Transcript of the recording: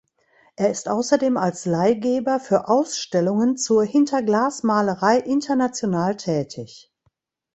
Er ist außerdem als Leihgeber für Ausstellungen zur Hinterglasmalerei international tätig.